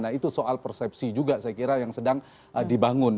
nah itu soal persepsi juga saya kira yang sedang dibangun